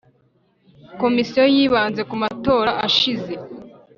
Komisiyo yibanze ku matora ashize